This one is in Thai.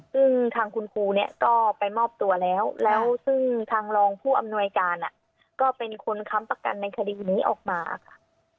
ซึ่งทางคุณครูเนี่ยก็ไปมอบตัวแล้วแล้วซึ่งทางรองผู้อำนวยการก็เป็นคนค้ำประกันในคดีนี้ออกมาค่ะ